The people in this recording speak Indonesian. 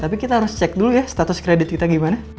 mas cek dulu ya status kredit kita gimana